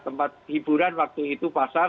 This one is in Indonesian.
tempat hiburan waktu itu pasar